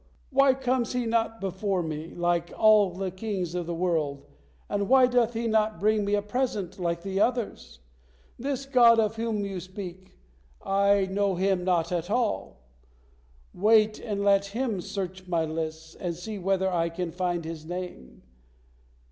Why comes He not before me, like all the kings of the world, and why doth He not bring me a present like the others? This God of whom you speak, I know Him not at all. Wait and let me search my lists, and see whether I can find His Name.'